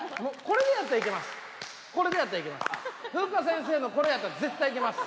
これでだったらいけます。